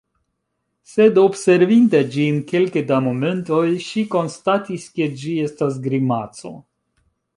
Sed observinte ĝin kelke da momentoj, ŝi konstatis ke ĝi estas grimaco.